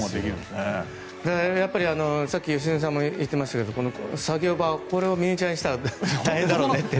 やっぱりさっき良純さんも言ってましたがこの作業場をミニチュアにしたら大変だろうねって。